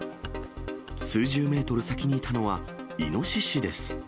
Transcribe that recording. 数十メートル先にいたのは、イノシシです。